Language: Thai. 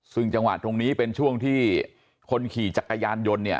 ซึ่งจังหวะตรงนี้เป็นช่วงที่คนขี่จักรยานยนต์เนี่ย